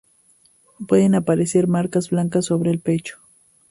Pueden aparecer marcas blancas sobre el pecho.